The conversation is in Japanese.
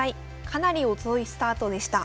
かなり遅いスタートでした。